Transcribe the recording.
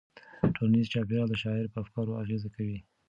ټولنیز چاپیریال د شاعر په افکارو اغېز کوي.